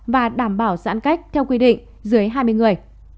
và đảm bảo giãn cách theo quy định dưới hai mươi người